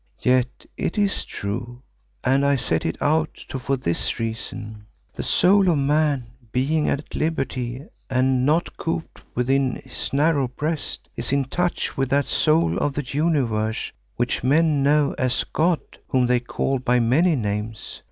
Yet it is true and I set it out for this reason. The soul of man, being at liberty and not cooped within his narrow breast, is in touch with that soul of the Universe, which men know as God Whom they call by many names.